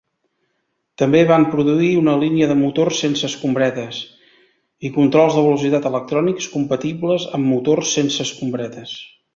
També van produir una línia de motors sense escombretes i controls de velocitat electrònics compatibles amb motors sense escombretes.